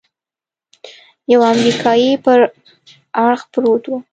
يوه امريکايي پر اړخ پروت و.